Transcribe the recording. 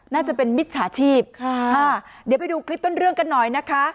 น่าจะเป็นมิจฉาชีพค่ะอ่าเดี๋ยวไปดูคลิปต้นเรื่องกันหน่อยนะคะ